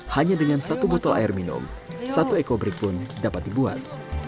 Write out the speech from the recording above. hanya dengan satu botol air minum satu ekobrik pun dapat dibuat